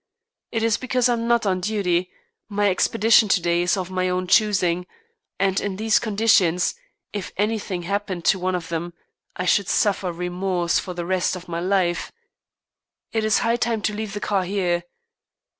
It is because I am not on duty; my expedition to day is of my own choosing, and in these conditions, if anything happened to one of them, I should suffer remorse for the rest of my life. It is high time to leave the car here!